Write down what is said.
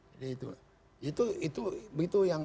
jadi itu yang